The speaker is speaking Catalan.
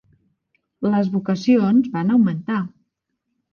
Les vocacions van augmentar.